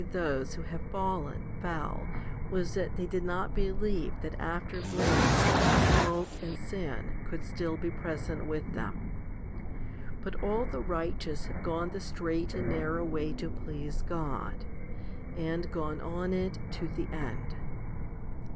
198 FIFTY SPIRITUAL HOMILIES who have fallen fell was that they did not believe that after grace smoke and sin could still be present with them. But all the righteous have gone the straight and narrow way to please God, and gone on it to the end.